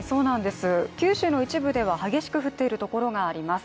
九州の一部では激しく降っているところがあります。